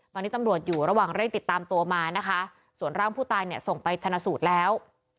ตอนนี้ตำรวจอยู่ระหว่างเร่งติดตามตัวมานะคะส่วนร่างผู้ตายเนี่ยส่งไปชนะสูตรแล้ว